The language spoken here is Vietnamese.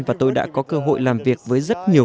và tôi đã có cơ hội làm việc với rất nhiều